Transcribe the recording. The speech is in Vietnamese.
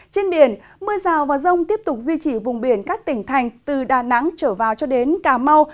trên biển mưa rào và rông tiếp tục duy trì vùng biển các tỉnh thành từ đà nẵng trở vào cho đến cà mau